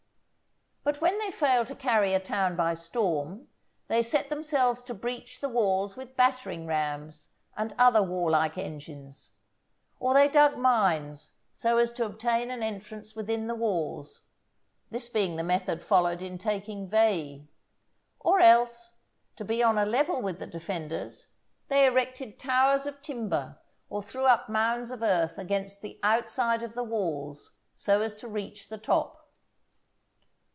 But when they failed to carry a town by storm, they set themselves to breach the walls with battering rams and other warlike engines; or they dug mines so as to obtain an entrance within the walls, this being the method followed in taking Veii; or else, to be on a level with the defenders, they erected towers of timber or threw up mounds of earth against the outside of the walls so as to reach the top.